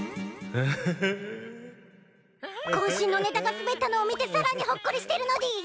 渾身のネタがスベったのを見てさらにホッコリしてるのでぃす。